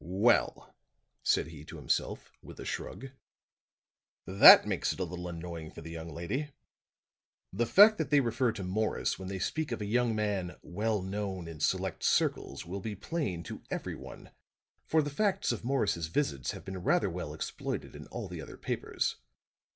"Well," said he to himself with a shrug, "that makes it a little annoying for the young lady. The fact that they refer to Morris when they speak of a young man 'well known in select circles' will be plain to everyone, for the facts of Morris' visits have been rather well exploited in all the other papers.